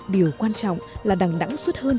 điều quan trọng là đẳng đẳng suốt hơn